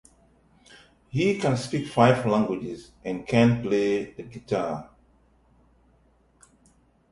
He can speak five languages and can play the guitar.